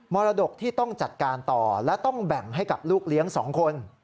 มรดกที่ต้องจัดการต่อและต้องแบ่งให้กับลูกเลี้ยง๒คน